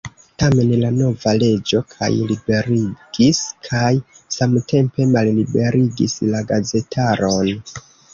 Tamen la nova leĝo kaj liberigis kaj samtempe malliberigis la gazetaron.